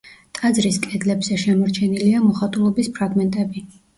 ტაძრის კედლებზე შემორჩენილია მოხატულობის ფრაგმენტები.